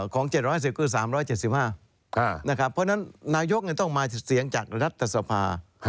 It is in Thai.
ของ๗๑๐คือ๓๗๕นะครับเพราะฉะนั้นนายกต้องมาเสียงจากรัฐสภา